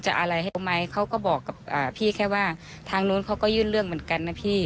อะไรให้เขาไหมเขาก็บอกกับพี่แค่ว่าทางนู้นเขาก็ยื่นเรื่องเหมือนกันนะพี่